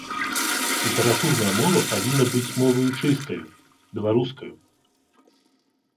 Літаратурная мова павінна быць моваю чыстаю, беларускаю.